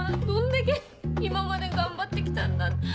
どんだけ今まで頑張って来たんだ。